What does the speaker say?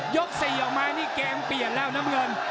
๔ออกมานี่เกมเปลี่ยนแล้วน้ำเงิน